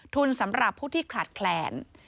สำหรับผู้ที่ขาดแคลน